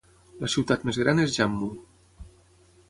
La ciutat més gran es Jammu.